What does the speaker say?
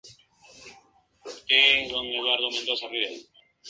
Sin embargo, la influencia política de la camarilla de Guangxi no será la misma.